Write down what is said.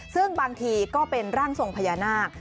ซึ่งบางทีก็เป็นร่างทรงพญานาค